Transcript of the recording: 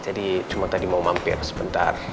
jadi cuma tadi mau mampir sebentar